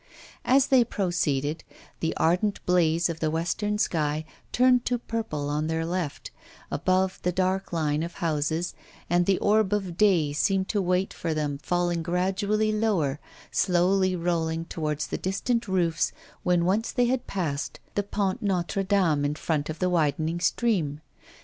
As they proceeded, the ardent blaze of the western sky turned to purple on their left, above the dark line of houses, and the orb of day seemed to wait for them, falling gradually lower, slowly rolling towards the distant roofs when once they had passed the Pont Notre Dame in front of the widening stream.